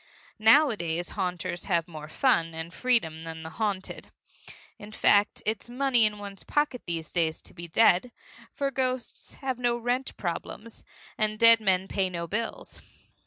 Nowadays haunters have more fun and freedom than the haunted. In fact, it's money in one's pocket these days to be dead, for ghosts have no rent problems, and dead men pay no bills.